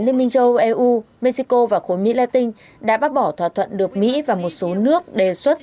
liên minh châu âu eu mexico và khối mỹ latin đã bác bỏ thỏa thuận được mỹ và một số nước đề xuất